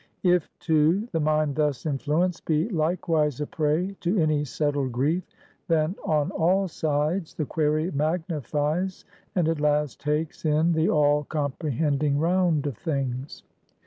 If too, the mind thus influenced be likewise a prey to any settled grief, then on all sides the query magnifies, and at last takes in the all comprehending round of things.